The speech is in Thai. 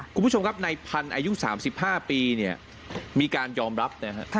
คุณผู้ชมครับในพันธุ์อายุ๓๕ปีมีการยอมรับ